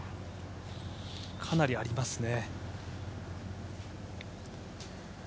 かなりありますね。